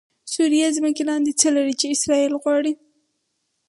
سوریه ځمکې لاندې څه لري چې اسرایل غواړي؟😱